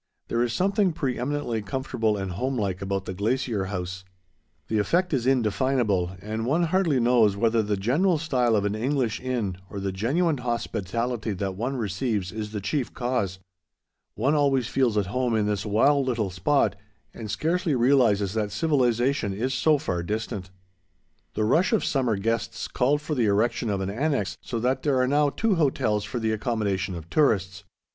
There is something pre eminently comfortable and homelike about the Glacier House. The effect is indefinable, and one hardly knows whether the general style of an English inn, or the genuine hospitality that one receives, is the chief cause. One always feels at home in this wild little spot, and scarcely realizes that civilization is so far distant. The rush of summer guests called for the erection of an annex, so that there are now two hotels for the accommodation of tourists.